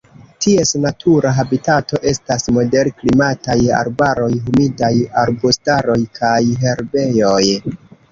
Ties natura habitato estas moderklimataj arbaroj, humidaj arbustaroj kaj herbejoj.